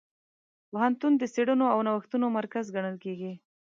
پوهنتون د څېړنو او نوښتونو مرکز ګڼل کېږي.